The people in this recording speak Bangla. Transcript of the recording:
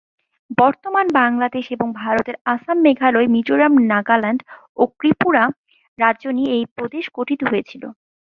বর্তমান বাংলাদেশ এবং ভারতের আসাম, মেঘালয়, মিজোরাম, নাগাল্যান্ড ও ত্রিপুরা রাজ্য নিয়ে এই প্রদেশ গঠিত হয়েছিল।